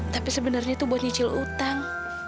tapi sebenarnya itu buat nyicil utang